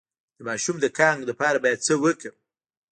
د ماشوم د کانګو لپاره باید څه وکړم؟